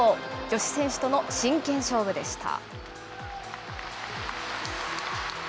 女子選手との真剣勝負でした。